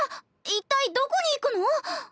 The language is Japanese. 一体どこに行くの？